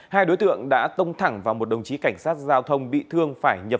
hai đối tượng đã tông thẳng vào một đồng chí cảnh sát giao thông bị thương